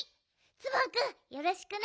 ツバンくんよろしくね。